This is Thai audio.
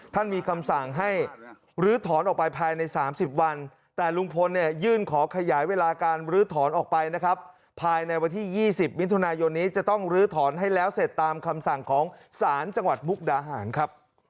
ต้องก็ทั่งกันประมาณนั้นแหละ